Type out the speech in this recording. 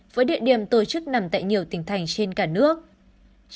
với địa điểm tổ chức nằm tại nhiều tỉnh thành trên cả nước